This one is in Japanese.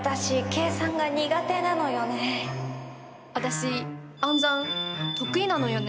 私暗算得意なのよね。